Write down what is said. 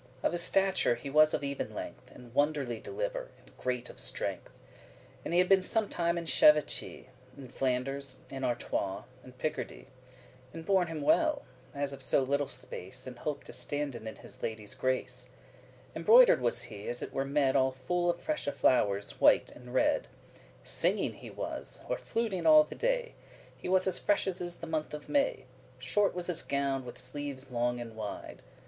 Of his stature he was of even length, And *wonderly deliver*, and great of strength. *wonderfully nimble* And he had been some time in chevachie*, *cavalry raids In Flanders, in Artois, and Picardie, And borne him well, *as of so little space*, *in such a short time* In hope to standen in his lady's grace. Embroider'd was he, as it were a mead All full of freshe flowers, white and red. Singing he was, or fluting all the day; He was as fresh as is the month of May. Short was his gown, with sleeves long and wide.